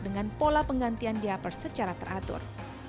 dengan pola penggantian diapers secara teratur